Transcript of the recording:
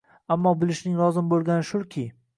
Ammo bilishing lozim bo'lgani shulki